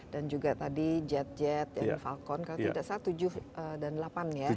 dan juga tadi jetjet falcon kalau tidak salah tujuh dan delapan ya